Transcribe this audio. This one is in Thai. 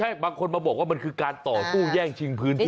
ใช่บางคนมาบอกว่ามันคือการต่อสู้แย่งชิงพื้นที่